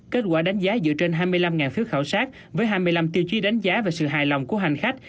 kết quả đánh giá dựa trên hai mươi năm phiếu khảo sát với hai mươi năm tiêu chí đánh giá về sự hài lòng của hành khách